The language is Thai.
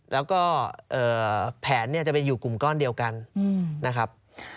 แล้วก็แผนเนี่ยจะไปอยู่กลุ่มก้อนเดียวกันนะครับ